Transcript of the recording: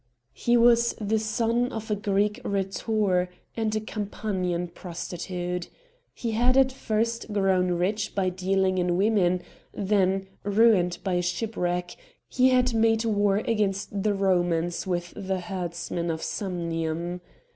He was the son of a Greek rhetor and a Campanian prostitute. He had at first grown rich by dealing in women; then, ruined by a shipwreck, he had made war against the Romans with the herdsmen of Samnium.